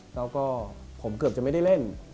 แล้วก็ผมเกือบจะไม่ได้เล่น